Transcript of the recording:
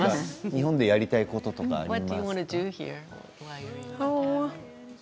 日本でやりたいことはありますか？